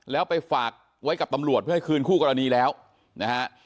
แล้วไปฝากไว้กับตำรวจเพื่อให้คืนคู่กรณีแล้วนะฮะ